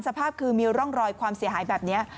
สภาพคือมีร่องรอยความเสียหายแบบนี้